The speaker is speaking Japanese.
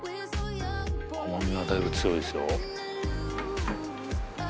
甘みがだいぶ強いですよ